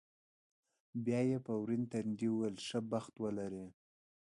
بیا یې په ورین تندي وویل، ښه بخت ولرې.